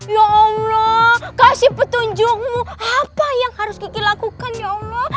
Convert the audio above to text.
ya allah kasih petunjukmu apa yang harus kiki lakukan ya allah